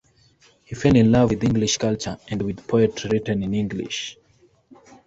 He fell in love with English culture and with poetry written in English.